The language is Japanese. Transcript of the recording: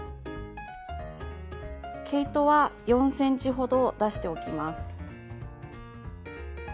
毛糸は４ｃｍほど出しておきます。